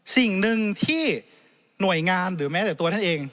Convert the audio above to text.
สิ่งหนึ่งที่หน่วยงานหรือแม้แต่ตัวท่านเอง